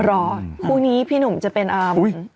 คู่นี้พี่หนุ่มจะเป็นอาบุญ